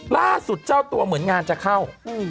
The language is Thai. ล่าสุดเจ้าตัวเหมือนงานจะเข้า